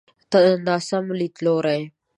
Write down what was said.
ناسم ليدلوری.